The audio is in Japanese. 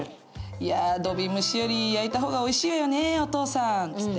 いや、土瓶蒸しより焼いた方がおいしいよね、お父さんって。